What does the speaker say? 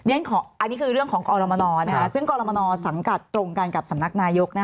อันนี้คือเรื่องของกรมนซึ่งกรมนสังกัดตรงกันกับสำนักนายก